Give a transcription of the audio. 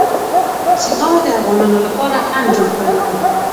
سیکهانو د افغانانو لپاره خنډ جوړ کړی وو.